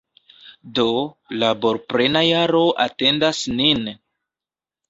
Do, laborplena jaro atendas nin!